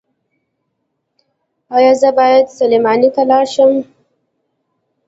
ایا زه باید سلماني ته لاړ شم؟